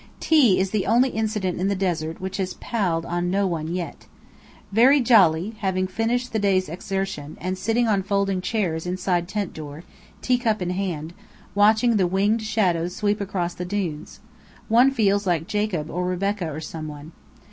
Tea is the only incident in the desert which has palled on no one yet. Very jolly, having finished the day's exertion, and sitting on folding chairs inside tent door, teacup in hand, watching the winged shadows sweep across the dunes! One feels like Jacob or Rebecca or some one.